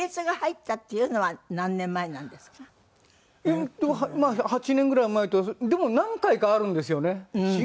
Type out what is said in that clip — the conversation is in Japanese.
えっとまあ８年ぐらい前でも何回かあるんですよね。